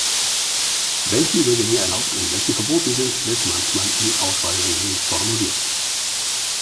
Welche Übergänge erlaubt und welche "verboten" sind, wird manchmal in Auswahlregeln formuliert.